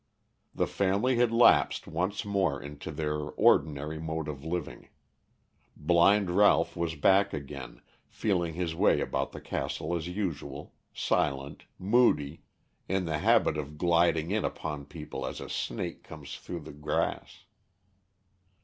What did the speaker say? The family had lapsed once more into their ordinary mode of living; blind Ralph was back again, feeling his way about the castle as usual, silent, moody, in the habit of gliding in upon people as a snake comes through the grass.